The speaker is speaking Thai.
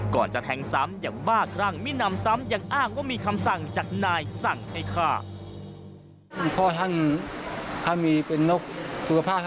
ก่อนจะแทงซ้ำอย่างบ้าครั่งมินำซ้ำยังอ้างว่ามีคำสั่งจากนายสั่งให้ฆ่า